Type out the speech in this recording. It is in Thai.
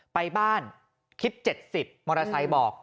ไปบ้านคิด๗๐มอเตอร์ไซค์บอก